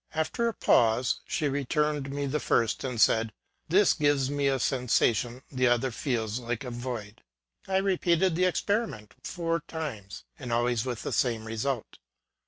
After a pause, she returned me the first, and said, " This gives me a sensation, the other feels like a void." I repeated the experiment four times, and always with the same result.